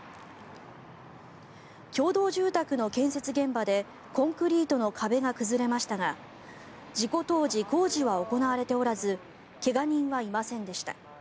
共同住宅の建設現場でコンクリートの壁が崩れましたが事故当時、工事は行われておらず怪我人はいませんでした。